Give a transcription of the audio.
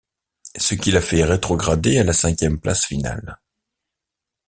Ce qui la fait rétrograder à la cinquième place finale.